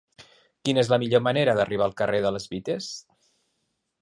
Quina és la millor manera d'arribar al carrer de les Beates?